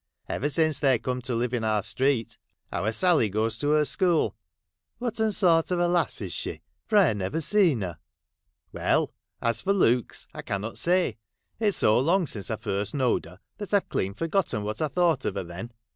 ' Ever since they corned to live in our street. Our Sally goes to her school.' 'Whatten sort of a lass is she, for I ha' .never seen her ?'' Well, — as for looks, I cannot say. It 's so long since I first knowed her, that I Ve clean forgotten what I thought of her then.